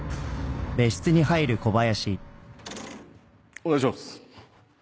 お願いします。